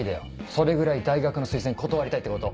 それぐらい大学の推薦断りたいってこと。